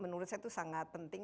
menurut saya itu sangat penting